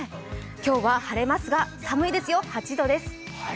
今日は晴れますが寒いですよ、８度です。